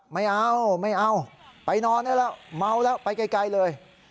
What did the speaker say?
ไม่เอาไม่เอาไปนอนได้แล้วเมาแล้วไปไกลเลย